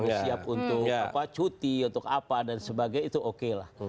kalau siap untuk cuti untuk apa dan sebagainya itu oke lah